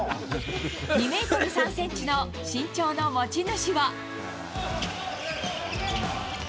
２メートル３センチの身長の持ち主は。